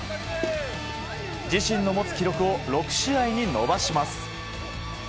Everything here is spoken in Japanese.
自身の持つ記録を６試合に伸ばします。